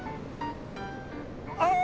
ああ！